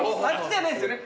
じゃないですね？